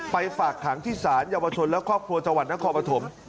ฝากขังที่ศาลเยาวชนและครอบครัวจังหวัดนครปฐม